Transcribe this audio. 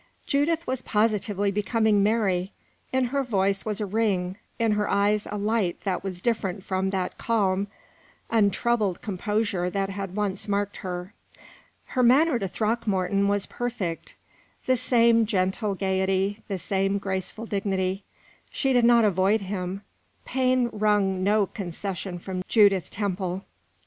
Judith was positively becoming merry. In her voice was a ring, in her eyes a light that was different from that calm, untroubled composure that had once marked her. Her manner to Throckmorton was perfect; the same gentle gayety, the same graceful dignity. She did not avoid him; pain wrung no such concession from Judith Temple.